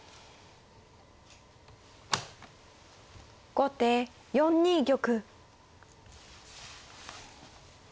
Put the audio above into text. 後手４二玉。